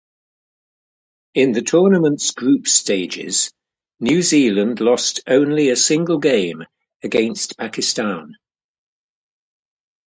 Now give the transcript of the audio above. In the tournament's group stages, New Zealand lost only a single game, against Pakistan.